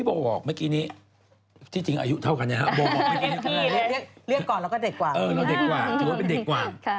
โบว์บอกเมื่อกี้นี้เรียกก่อนแล้วก็เด็กกว่างถือว่าเป็นเด็กกว่าง